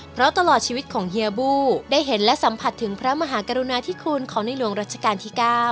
เพราะตลอดชีวิตของเฮียบูได้เห็นและสัมผัสถึงพระมหากรุณาธิคุณของในหลวงรัชกาลที่๙